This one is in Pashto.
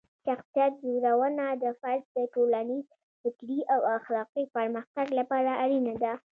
شخصیت جوړونه د فرد د ټولنیز، فکري او اخلاقي پرمختګ لپاره اړینه ده.